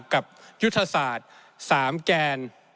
กับยุทธศาสตร์๓แกน